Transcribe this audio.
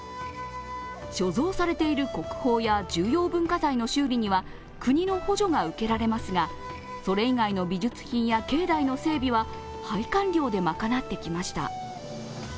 所蔵されている国宝や重要文化財の修理には国の補助が受けられますがそれ以外の美術品や境内の整備は拝観料で賄ってきました。